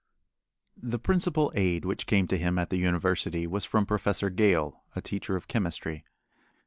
The principal aid which came to him at the university was from Professor Gale, a teacher of chemistry.